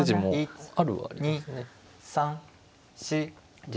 あるはありますね。